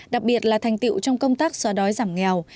đặc biệt là thành tiệu trong công tác xóa đói giảm nghèo